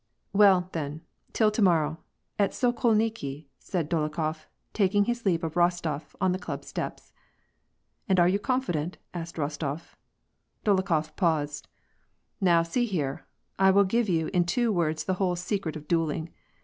'' Well, then, till to morrow, at Sokolniki," said Dolokhof, taking his leave of Rostof on the club steps. " And you are confident ?" asked Rostof. Dolokhof paused —" Now see here, I will give you in two words the whole secret of duelling.